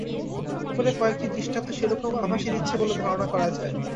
ওপরের কয়েকটি দৃষ্টান্ত সে রকম আভাসই দিচ্ছে বলে ধারণা করা যায়।